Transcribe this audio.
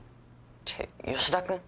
って吉田君？